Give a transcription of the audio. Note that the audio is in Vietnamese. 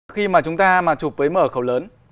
khi mà chúng ta mà chụp với mở khẩu lớn